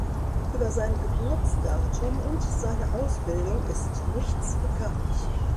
Über sein Geburtsdatum und seine Ausbildung ist nichts bekannt.